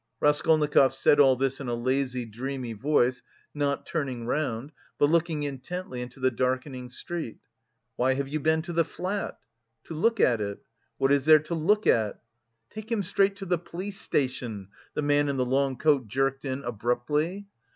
Raskolnikov said all this in a lazy, dreamy voice, not turning round, but looking intently into the darkening street. "Why have you been to the flat?" "To look at it." "What is there to look at?" "Take him straight to the police station," the man in the long coat jerked in abruptly.